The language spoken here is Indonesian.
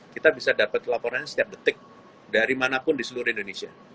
kita bisa dapat laporannya setiap detik dari manapun di seluruh indonesia